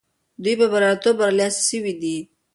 دوی په بریالیتوب برلاسي سوي دي.